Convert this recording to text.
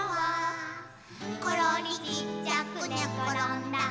「ころりちっちゃくねころんだ」